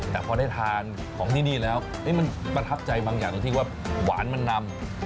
แต่พอได้ทานของที่นี่แล้วมันประทับใจบางอย่างตรงที่ว่าหวานมันนำ